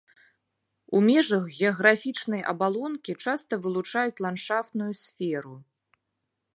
У межах геаграфічнай абалонкі часта вылучаюць ландшафтную сферу.